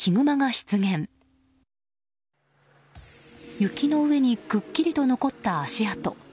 雪の上にくっきりと残った足跡。